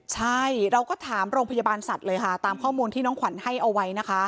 ใช่เราก็ถามโรงพยาบาลสัตว์เลยค่ะตามข้อมูลที่น้องขวัญให้เอาไว้นะคะ